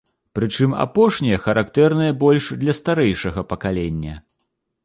Прычым апошнія характэрныя больш для старэйшага пакалення.